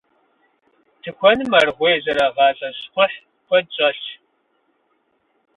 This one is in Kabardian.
Тыкуэным аргъуей зэрагъалӏэ щхъухь куэд щӏэлъщ.